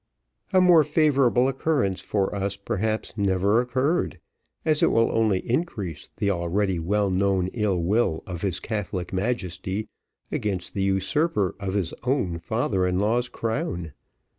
A more favourable occurrence for us, perhaps, never occurred, as it will only increase the already well known ill will of his Catholic Majesty against the usurper of his own father in law's crown.